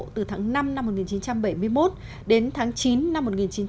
từ tháng năm năm một nghìn chín trăm bảy mươi một đến tháng chín năm một nghìn chín trăm bảy mươi